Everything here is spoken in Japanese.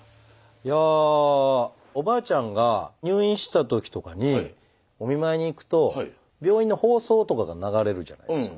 いやおばあちゃんが入院してた時とかにお見舞いに行くと病院の放送とかが流れるじゃないですか。